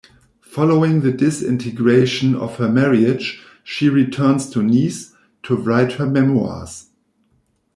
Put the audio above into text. Following the disintegration of her marriage, she returns to Nice to write her memoirs.